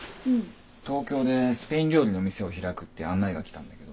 東京でスペイン料理の店を開くって案内が来たんだけど。